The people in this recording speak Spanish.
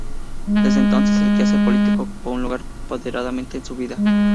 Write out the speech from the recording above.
Desde entonces, el quehacer político ocupó un lugar preponderante en su vida.